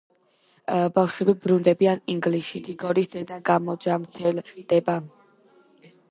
ბავშვები ბრუნდებიან ინგლისში, დიგორის დედა გამოჯანმრთელდება.